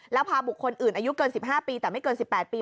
แล้วพาบุคคลอื่นอายุเกิน๑๕ปีแต่ไม่เกิน๑๘ปี